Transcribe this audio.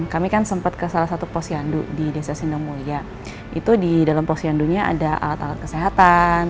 kami kan sempat ke salah satu posyandu di desa sindang mulia itu di dalam posyandunya ada alat alat kesehatan